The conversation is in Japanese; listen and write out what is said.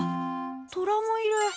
トラもいる。